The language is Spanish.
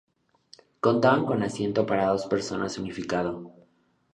Contaban con asiento para dos personas unificado.